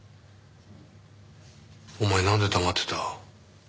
お前なんで黙ってた？